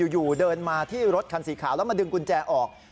อยู่เดินมาที่รถคันสีขาวแล้วมาดึงกุญแจออก